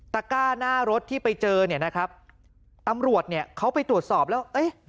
ก้าหน้ารถที่ไปเจอเนี่ยนะครับตำรวจเนี่ยเขาไปตรวจสอบแล้วเอ๊ะ